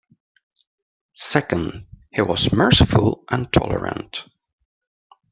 Second, he was merciful and tolerant.